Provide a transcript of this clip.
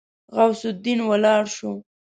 غوث الدين ولاړ شو.